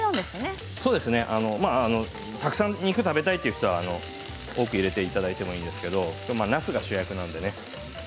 たくさん肉が食べたいという人は多く入れていただいてもいいですけど、なすが主役なのでね。